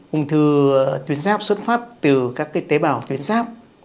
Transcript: ung thư tuyến ráp xuất phát từ các tế bào tuyến ráp